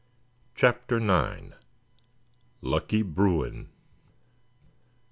CHAPTER IX. LUCKY BRUIN.